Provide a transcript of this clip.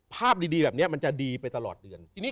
ภาพดีแบบนี้มันจะดีไปตลอดเดือน